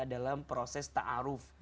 dalam proses ta'aruf